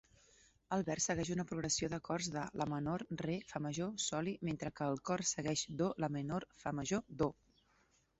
El vers segueix una progressió d'acords de La menor-Re-Fa major-Soli mentre que el cor segueix Do-La menor-Fa major, Do.